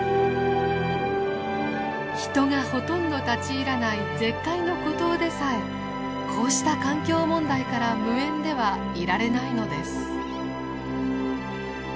人がほとんど立ち入らない絶海の孤島でさえこうした環境問題から無縁ではいられないのです。